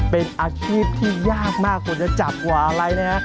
เป็นอาชีพที่ยากมากกว่าจะจัดกว่าอะไรนะฮะ